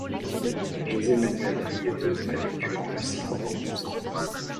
José Manuel Prieto a vécu en Russie pendant douze ans.